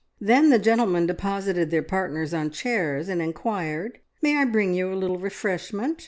Then the gentlemen deposited their partners on chairs, and inquired, "May I bring you a little refreshment?"